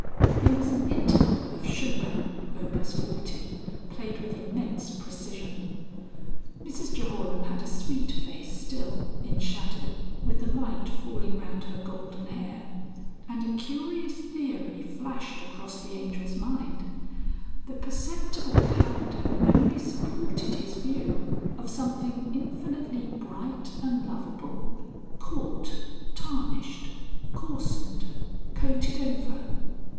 There was an interval of Chopin (Op. 40) played with immense precision. Mrs Jehoram had a sweet face still, in shadow, with the light falling round her golden hair, and a curious theory flashed across the Angel's mind. The perceptible powder only supported his view of something infinitely bright and lovable caught, tarnished, coarsened, coated over.